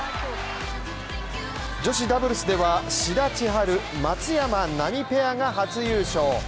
女子ダブルスでは志田千陽・松山奈未ペアが初優勝。